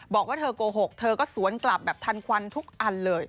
บอกว่าเธอโกหกเธอก็สวนกลับแบบทันควันทุกอันเลย